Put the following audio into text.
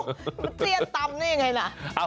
เสรียร์ตัมนี่ยังไงน่ะ